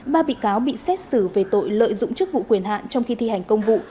ba bị cáo bị xét xử về tội lợi dụng chức vụ quyền hạn trong khi thi hành công vụ